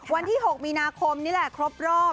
วันที่๖มีนาคมนี่แหละครบรอบ